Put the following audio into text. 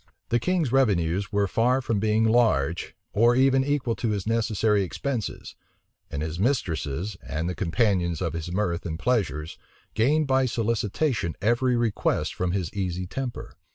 The king's revenues were far from being large, or even equal to his necessary expenses; and his mistresses, and the companions of his mirth and pleasures, gained by solicitation every request from his easy temper.